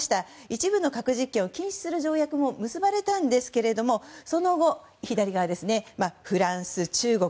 一部の核実験を禁止する条約も結ばれたんですがその後フランス、中国、